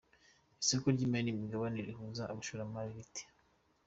Isoko ry’imari n’imigabane rihuza abashoramari rite?.